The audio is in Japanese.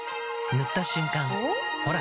塗った瞬間おっ？